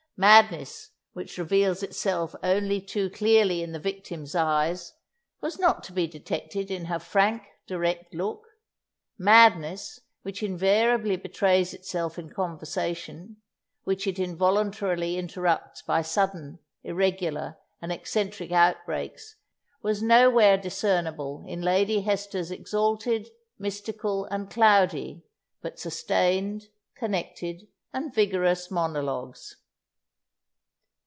Madness, which reveals itself only too clearly in the victim's eyes, was not to be detected in her frank, direct look madness, which invariably betrays itself in conversation, which it involuntarily interrupts by sudden, irregular, and eccentric outbreaks, was nowhere discernible in Lady Hester's exalted, mystical, and cloudy, but sustained, connected and vigorous monologues.